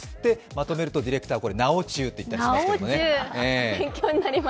まとめると、ディレクターが「なお中」って言ったりします。